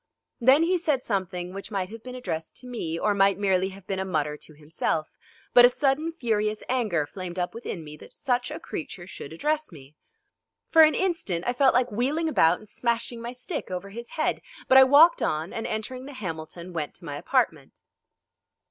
Then he said something which might have been addressed to me or might merely have been a mutter to himself, but a sudden furious anger flamed up within me that such a creature should address me. For an instant I felt like wheeling about and smashing my stick over his head, but I walked on, and entering the Hamilton went to my apartment.